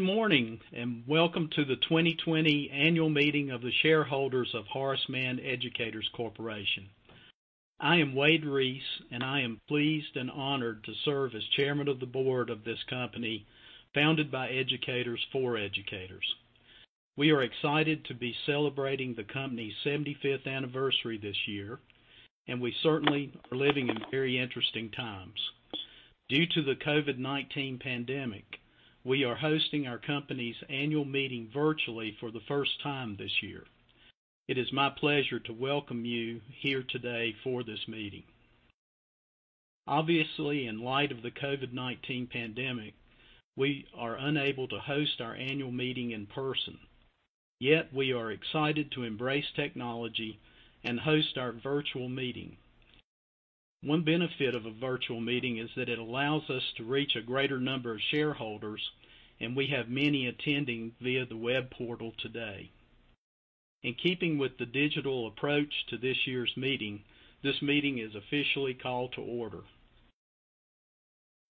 Good morning, welcome to the 2020 annual meeting of the shareholders of Horace Mann Educators Corporation. I am Wade Reece, and I am pleased and honored to serve as Chairman of the Board of this company, founded by educators for educators. We are excited to be celebrating the company's 75th anniversary this year, and we certainly are living in very interesting times. Due to the COVID-19 pandemic, we are hosting our company's annual meeting virtually for the first time this year. It is my pleasure to welcome you here today for this meeting. Obviously, in light of the COVID-19 pandemic, we are unable to host our annual meeting in person. We are excited to embrace technology and host our virtual meeting. One benefit of a virtual meeting is that it allows us to reach a greater number of shareholders. We have many attending via the web portal today. In keeping with the digital approach to this year's meeting, this meeting is officially called to order.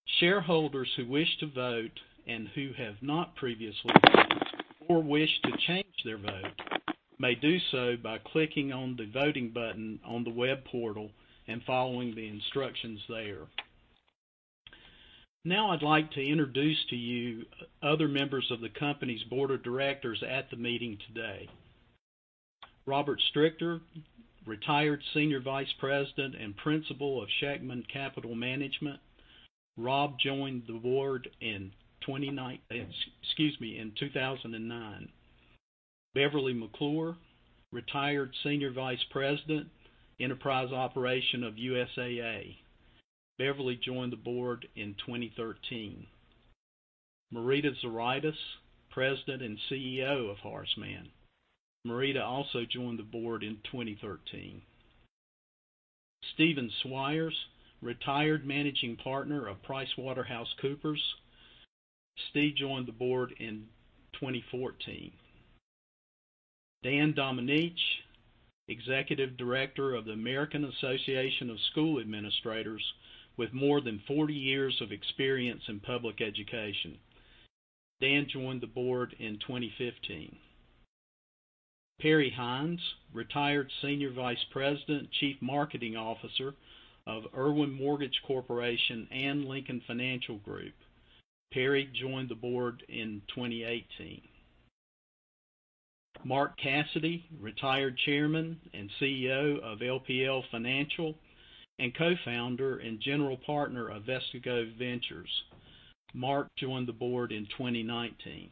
Shareholders who wish to vote and who have not previously voted or wish to change their vote may do so by clicking on the voting button on the web portal and following the instructions there. I'd like to introduce to you other members of the company's Board of Directors at the meeting today. Robert Stricker, retired Senior Vice President and Principal of Schegman Capital Management. Rob joined the board in 2019, in 2009. Beverley McClure, retired Senior Vice President, Enterprise Operation of USAA. Beverley joined the board in 2013. Marita Zuraitis, President and CEO of Horace Mann. Marita also joined the board in 2013. Steven Swyers, retired Managing Partner of PricewaterhouseCoopers. Steve joined the board in 2014. Dan Domenech, Executive Director of the American Association of School Administrators, with more than 40 years of experience in public education. Dan joined the board in 2015. Perry Hines, retired Senior Vice President, Chief Marketing Officer of Irwin Mortgage Corporation and Lincoln Financial Group. Perry joined the board in 2018. Mark Casady, retired Chairman and CEO of LPL Financial and Co-Founder and General Partner of Vestigo Ventures. Mark joined the board in 2019.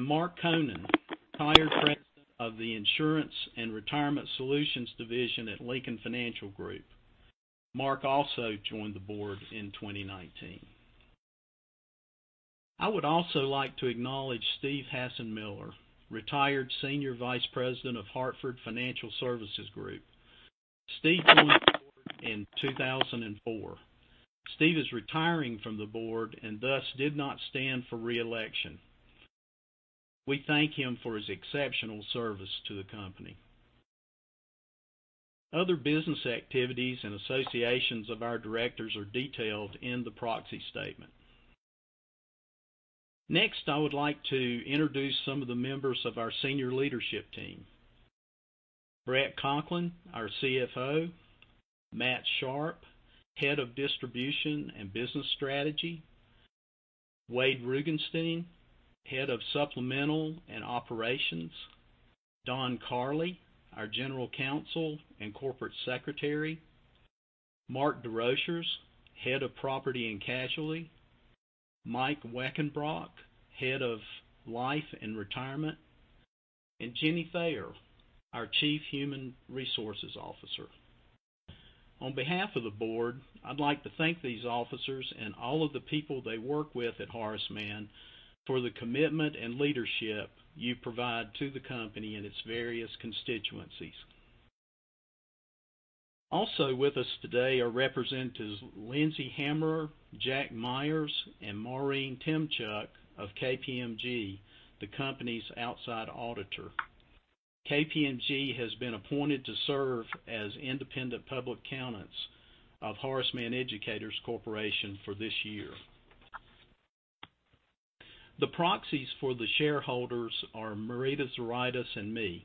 Mark Konen, retired President of the Insurance and Retirement Solutions Division at Lincoln Financial Group. Mark also joined the board in 2019. I would also like to acknowledge Steve McAnena, retired Senior Vice President of The Hartford Financial Services Group. Steve joined the board in 2004. Steve is retiring from the board and thus did not stand for re-election. We thank him for his exceptional service to the company. Other business activities and associations of our directors are detailed in the proxy statement. I would like to introduce some of the members of our Senior Leadership Team. Bret Conklin, our CFO, Matt Sharpe, Head of Distribution and Business Strategy, Wade Rugenstein, Head of Supplemental and Operations, Don Carley, our General Counsel and Corporate Secretary, Mark Desrochers, Head of Property and Casualty, Mike Weckenbrock, Head of Life and Retirement, and Jenny Thayer, our Chief Human Resources Officer. On behalf of the board, I'd like to thank these officers and all of the people they work with at Horace Mann for the commitment and leadership you provide to the company and its various constituencies. Also with us today are representatives Lindsay Hammer, Jack Myers, and Maureen Temchuk of KPMG, the company's outside auditor. KPMG has been appointed to serve as independent public accountants of Horace Mann Educators Corporation for this year. The proxies for the shareholders are Marita Zuraitis and me.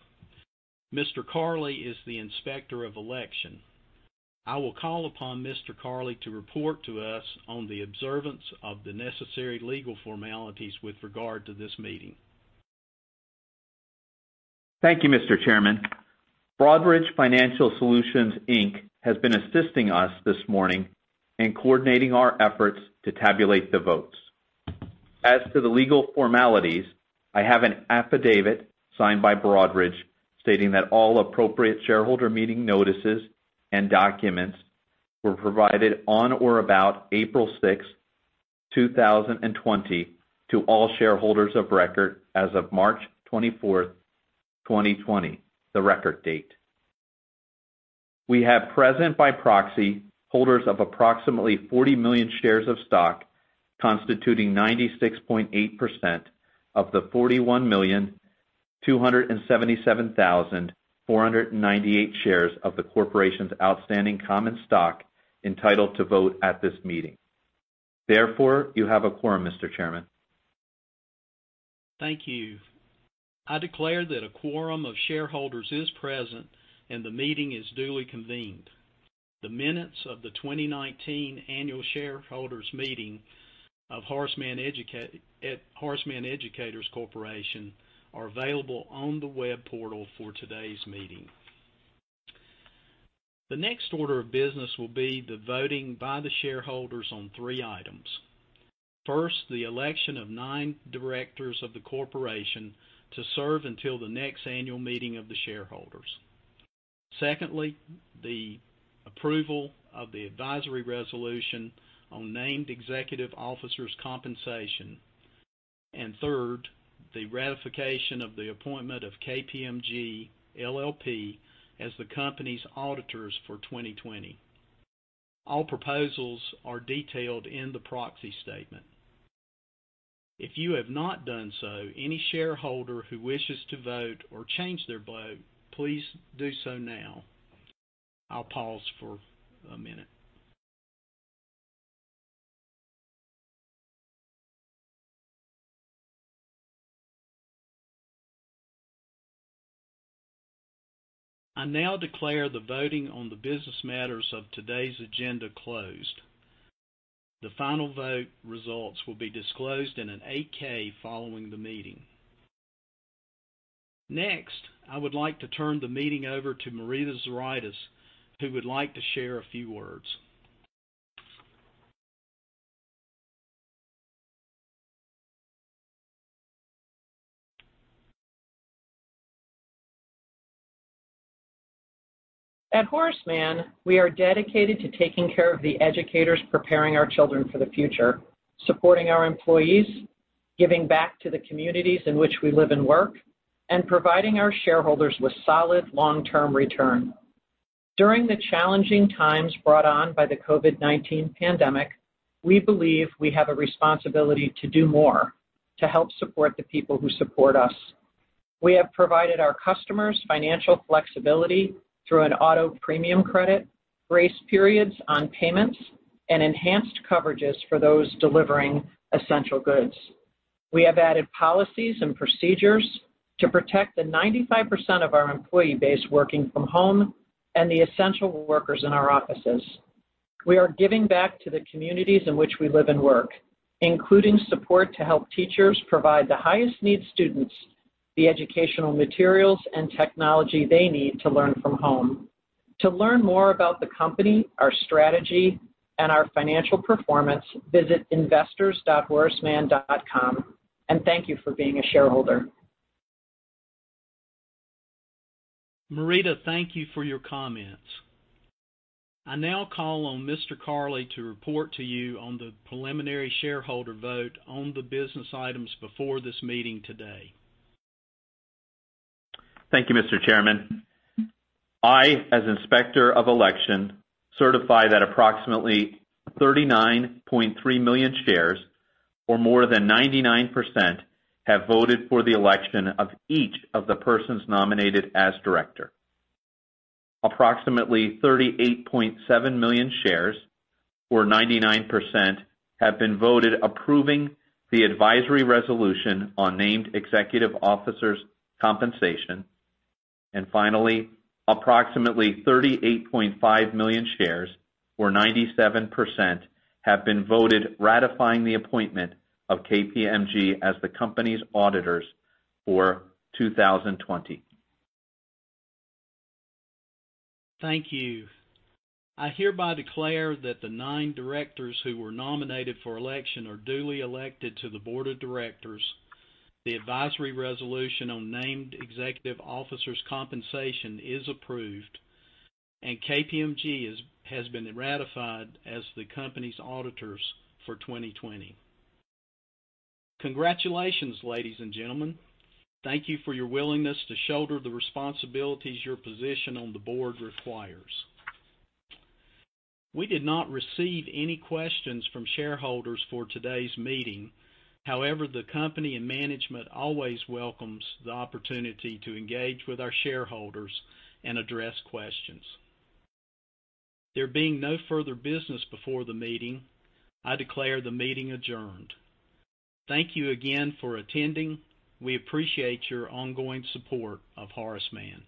Mr. Carley is the inspector of election. I will call upon Mr. Carley to report to us on the observance of the necessary legal formalities with regard to this meeting. Thank you, Mr. Chairman. Broadridge Financial Solutions, Inc. has been assisting us this morning in coordinating our efforts to tabulate the votes. As to the legal formalities, I have an affidavit signed by Broadridge stating that all appropriate shareholder meeting notices and documents were provided on or about April 6, 2020, to all shareholders of record as of March 24, 2020, the record date. We have present by proxy holders of approximately 40 million shares of stock, constituting 96.8% of the 41 million 277,498 shares of the corporation's outstanding common stock entitled to vote at this meeting. Therefore, you have a quorum, Mr. Chairman. Thank you. I declare that a quorum of shareholders is present, and the meeting is duly convened. The minutes of the 2019 annual shareholders meeting at Horace Mann Educators Corporation are available on the web portal for today's meeting. The next order of business will be the voting by the shareholders on three items. First, the election of nine directors of the corporation to serve until the next annual meeting of the shareholders. Secondly, the approval of the advisory resolution on named executive officers' compensation. Third, the ratification of the appointment of KPMG LLP as the company's auditors for 2020. All proposals are detailed in the proxy statement. If you have not done so, any shareholder who wishes to vote or change their vote, please do so now. I'll pause for a minute. I now declare the voting on the business matters of today's agenda closed. The final vote results will be disclosed in an 8-K following the meeting. Next, I would like to turn the meeting over to Marita Zuraitis, who would like to share a few words. At Horace Mann, we are dedicated to taking care of the educators preparing our children for the future, supporting our employees, giving back to the communities in which we live and work, and providing our shareholders with solid long-term return. During the challenging times brought on by the COVID-19 pandemic, we believe we have a responsibility to do more to help support the people who support us. We have provided our customers financial flexibility through an auto premium credit, grace periods on payments, and enhanced coverages for those delivering essential goods. We have added policies and procedures to protect the 95% of our employee base working from home and the essential workers in our offices. We are giving back to the communities in which we live and work, including support to help teachers provide the highest need students the educational materials and technology they need to learn from home. To learn more about the company, our strategy, and our financial performance, visit investors.horacemann.com. Thank you for being a shareholder. Marita, thank you for your comments. I now call on Mr. Carley to report to you on the preliminary shareholder vote on the business items before this meeting today. Thank you, Mr. Chairman. I, as inspector of election, certify that approximately 39.3 million shares or more than 99% have voted for the election of each of the persons nominated as director. Approximately 38.7 million shares, or 99%, have been voted approving the advisory resolution on named executive officers' compensation. Finally, approximately 38.5 million shares, or 97%, have been voted ratifying the appointment of KPMG as the company's auditors for 2020. Thank you. I hereby declare that the nine directors who were nominated for election are duly elected to the board of directors, the advisory resolution on named executive officers' compensation is approved, and KPMG has been ratified as the company's auditors for 2020. Congratulations, ladies and gentlemen. Thank you for your willingness to shoulder the responsibilities your position on the board requires. We did not receive any questions from shareholders for today's meeting. However, the company and management always welcomes the opportunity to engage with our shareholders and address questions. There being no further business before the meeting, I declare the meeting adjourned. Thank you again for attending. We appreciate your ongoing support of Horace Mann.